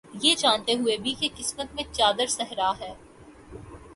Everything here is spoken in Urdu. یہ جانتے ہوئے بھی، کہ قسمت میں چادر صحرا ہے